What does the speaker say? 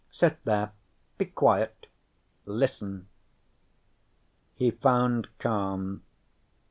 Sit there, be quiet, listen." He found calm.